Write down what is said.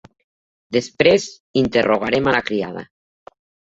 Després interrogarem a la criada.